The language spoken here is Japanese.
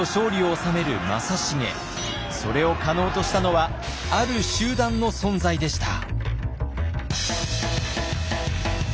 それを可能としたのはある集団の存在でした。